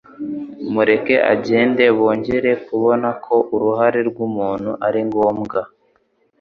mureke agende." Bongera kubona ko uruhare rw'umuntu ari ngombwa.